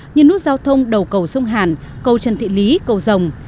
như nút giao thông đầu cầu sông hàn cầu trần thị lý cầu rồng